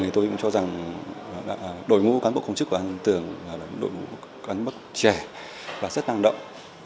an tượng thì tôi cũng cho rằng đội ngũ cán bộ công chức của an tượng là đội ngũ cán bộ trẻ và rất năng động